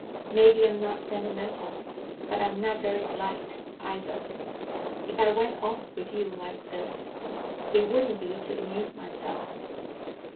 Maybe I'm not sentimental, but I'm not very light, either. If I went off with you like this, it wouldn't be to amuse myself."